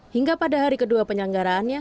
hingga pada hari kedua penyelenggaraannya